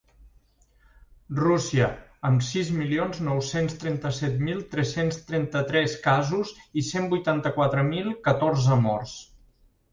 Rússia, amb sis milions nou-cents trenta-set mil tres-cents trenta-tres casos i cent vuitanta-quatre mil catorze morts.